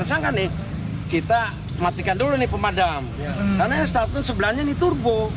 si bbm di spbu